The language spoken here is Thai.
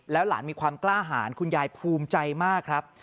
หลานมีความกล้าหารคุณยายภูมิใจมากครับ